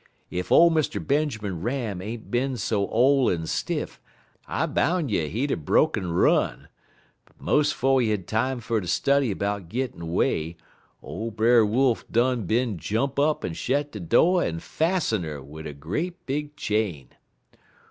Ef ole Mr. Benjermun Ram ain't bin so ole en stiff I boun' you he'd er broke en run, but 'mos' 'fo' he had time fer ter study 'bout gittin' 'way, ole Brer Wolf done bin jump up en shet de do' en fassen 'er wid a great big chain.